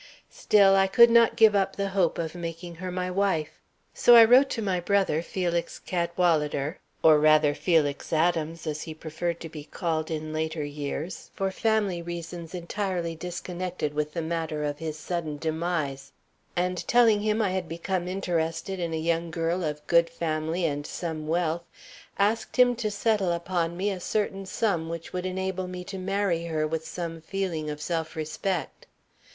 Still I could not give up the hope of making her my wife. So I wrote to my brother, Felix Cadwalader, or, rather, Felix Adams, as he preferred to be called in later years for family reasons entirely disconnected with the matter of his sudden demise, and, telling him I had become interested in a young girl of good family and some wealth, asked him to settle upon me a certain sum which would enable me to marry her with some feeling of self respect.